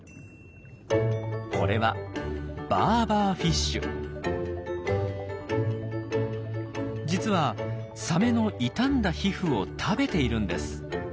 これは実はサメの傷んだ皮膚を食べているんです。